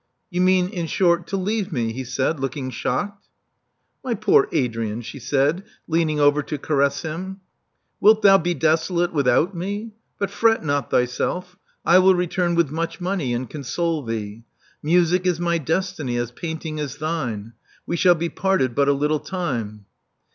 " You mean, in short, to leave me," he said, looking shocked. My poor Adrian," she said, leaning over to caress him: wilt thou be desolate without me? But fret not thyself: I will return with much money, and' con sole thee. Music is my destiny, as painting is thine. We shall be parted but a little time."